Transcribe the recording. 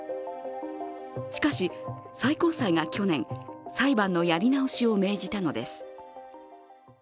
しかし、最高裁が去年、裁判のやり直しを命じたのです。